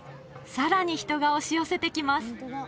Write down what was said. さらに人が押し寄せてきます